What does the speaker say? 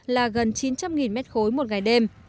là gần chín trăm linh m ba một ngày đêm